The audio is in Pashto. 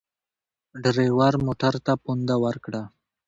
ډریور موټر ته پونده ورکړه.